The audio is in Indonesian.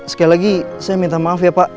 sekali lagi saya minta maaf ya pak